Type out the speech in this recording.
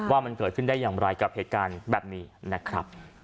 ว่ามันเกิดขึ้นได้อย่างไรกับเหตุการณ์แบบนี้นะครับ